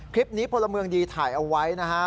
คลิปนี้พลเมืองดีถ่ายเอาไว้นะฮะ